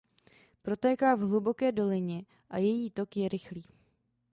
Protéká v hluboké dolině a její tok je rychlý.